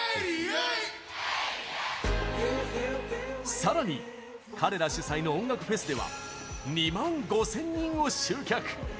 さらに、彼ら主催の音楽フェスでは２万５０００人を集客！